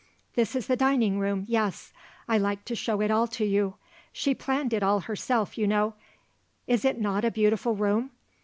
This is the dining room yes, I like to show it all to you she planned it all herself, you know is it not a beautiful room?